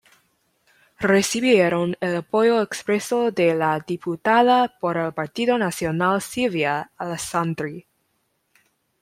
Recibieron el apoyo expreso de la diputada por el Partido Nacional Silvia Alessandri.